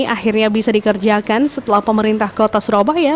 akhirnya bisa dikerjakan setelah pemerintah kota surabaya